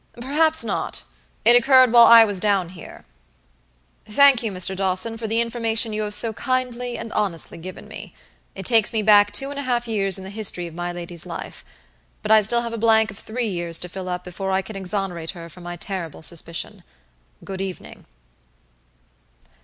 "Perhaps not. It occurred while I was down here. Thank you, Mr. Dawson, for the information you have so kindly and honestly given me. It takes me back two and a half years in the history of my lady's life; but I have still a blank of three years to fill up before I can exonerate her from my terrible suspicion. Good evening."